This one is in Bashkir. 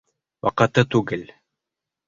Ваҡыты түгел...